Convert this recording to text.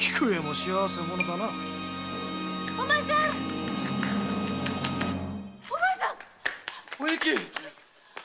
・お前さん！お前さん！おゆき！